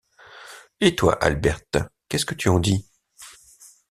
Et toi, Alberte, qu'est-ce que tu en dis ?